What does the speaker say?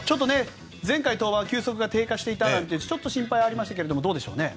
前回の登板で急速が低下していたなんて心配もありましたがどうでしょうね。